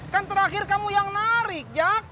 kan terakhir kamu yang narik jak